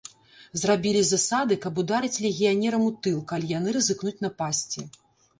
Зрабілі засады, каб ударыць легіянерам у тыл, калі яны рызыкнуць напасці.